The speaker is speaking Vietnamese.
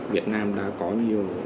việt nam đã có nhiều